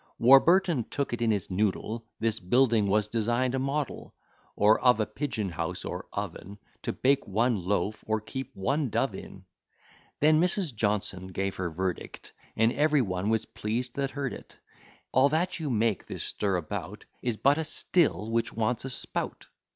Warburton took it in his noddle, This building was design'd a model; Or of a pigeon house or oven, To bake one loaf, or keep one dove in. Then Mrs. Johnson gave her verdict, And every one was pleased that heard it; All that you make this stir about Is but a still which wants a spout.